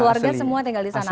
warga semua tinggal di sana